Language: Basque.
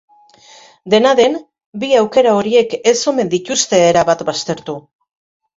Dena den, bi aukera horiek ez omen dituzte erabat baztertu.